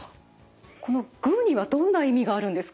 このグーにはどんな意味があるんですか？